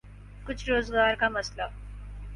کچھ روزگار کا مسئلہ۔